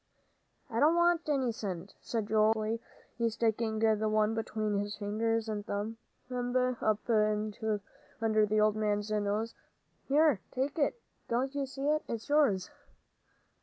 "I don't want any cent," said Joel, hotly, sticking the one between his finger and thumb up under the old man's nose. "Here, take it. Don't you see it? It's yours."